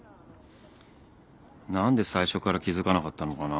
何で最初から気付かなかったのかな